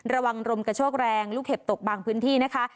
รมกระโชกแรงลูกเห็บตกบางพื้นที่นะคะ